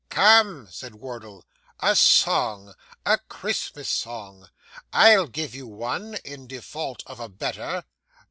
'Come,' said Wardle, 'a song a Christmas song! I'll give you one, in default of a better.